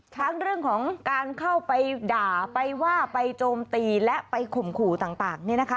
ทั้งเรื่องของการเข้าไปด่าไปว่าไปโจมตีและไปข่มขู่ต่างเนี่ยนะคะ